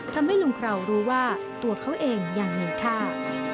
ทำให้ลุงคราวรู้ว่าตัวเขาเองยังมีค่า